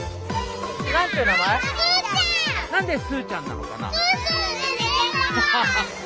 なんですーちゃんなのかな？